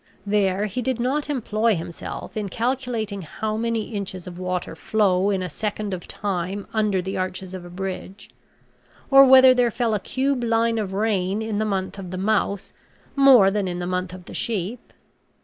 There he did not employ himself in calculating how many inches of water flow in a second of time under the arches of a bridge, or whether there fell a cube line of rain in the month of the Mouse more than in the month of the Sheep.